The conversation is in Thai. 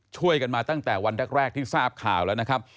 ช่วยกันมาตั้งแต่วันแรกที่ทราบข่าวแล้วนะครับ